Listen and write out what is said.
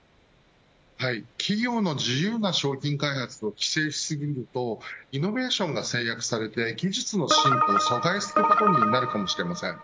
企業の自由な商品開発を規制しすぎるとイノベーションが制約されて技術の進歩を阻害することになるかもしれません。